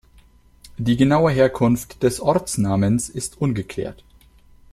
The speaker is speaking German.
Die genaue Herkunft des Ortsnamens ist ungeklärt.